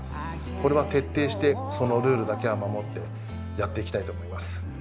これは徹底してそのルールだけは守ってやっていきたいと思います